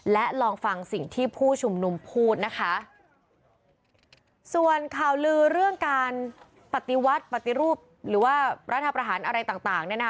และลองฟังสิ่งที่ผู้ชุมนุมพูดนะคะส่วนข่าวลือเรื่องการปฏิวัติปฏิรูปหรือว่ารัฐประหารอะไรต่างต่างเนี่ยนะคะ